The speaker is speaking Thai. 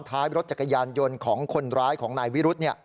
ท้ายรถจักรยานยนต์ของคนร้ายของนายวิรุธ